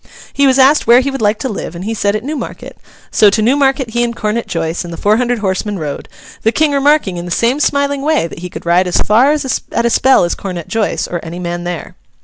He was asked where he would like to live, and he said at Newmarket. So, to Newmarket he and Cornet Joice and the four hundred horsemen rode; the King remarking, in the same smiling way, that he could ride as far at a spell as Cornet Joice, or any man there.